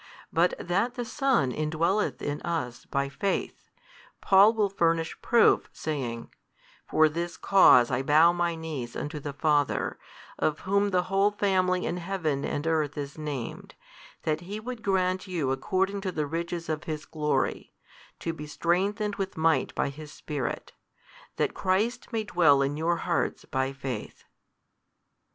But that the Son indwelleth in us by faith, Paul will furnish proof, saying, For this cause I bow my knees unto the Father, of Whom the whole family in heaven and earth is named, that He would grant you according to the riches of His glory, to be strengthened with might by His Spirit; that Christ may dwell in your hearts by faith.